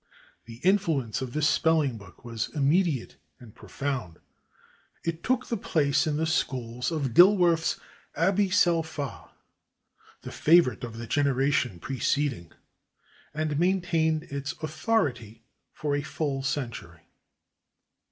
The influence of this spelling book was immediate and profound. It took the place in the schools of Dilworth's "Aby sel pha," the favorite of the generation preceding, and maintained its authority for fully a century.